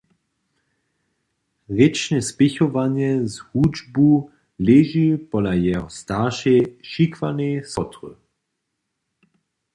Rěčne spěchowanje z hudźbu leži pola jeho staršej, šikwanej sotry.